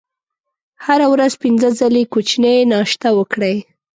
هره ورځ پنځه ځلې کوچنۍ ناشته وکړئ.